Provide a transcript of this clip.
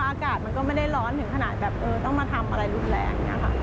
อากาศมันก็ไม่ได้ร้อนถึงขนาดแบบเออต้องมาทำอะไรรุนแรงอย่างนี้ค่ะ